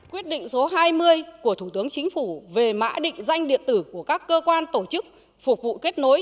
quyết định số hai mươi của thủ tướng chính phủ về mã định danh điện tử của các cơ quan tổ chức phục vụ kết nối